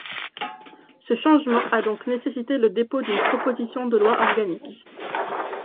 Ce changement a donc nécessité le dépôt d’une proposition de loi organique.